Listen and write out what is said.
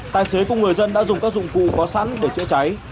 tài xế cùng người dân đã dùng các dụng cụ có sẵn để chữa cháy